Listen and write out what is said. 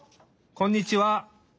こんにちは！